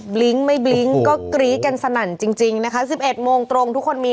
ลิ้งไม่บลิ้งก็กรี๊ดกันสนั่นจริงจริงนะคะสิบเอ็ดโมงตรงทุกคนมี